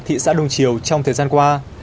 thị xã đông triều trong thời gian qua